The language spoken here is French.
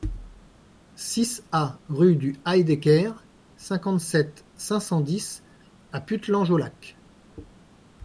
six A rue du Heidaecker, cinquante-sept, cinq cent dix à Puttelange-aux-Lacs